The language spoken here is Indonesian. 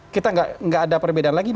kita nggak ada perbedaan lagi